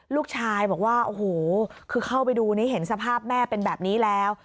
ลูกชายบอกว่าโอ้โหคือเข้าไปดูนี่เห็นสภาพแม่เป็นแบบนี้แล้ว